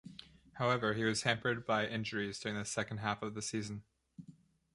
However, he was hampered by injuries during the second half of the season.